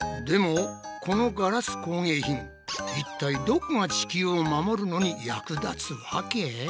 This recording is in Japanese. でもこのガラス工芸品いったいどこが地球を守るのに役立つわけ？